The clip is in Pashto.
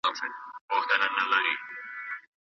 که ته غواړې بریالی شې نو نوي میتودونه زده کړه.